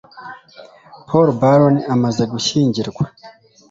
Paul ballon amaze gushyingirwa